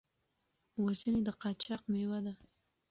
وژنې د قاچاق مېوه ده.